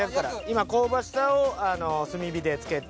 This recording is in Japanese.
今香ばしさを炭火で付けて。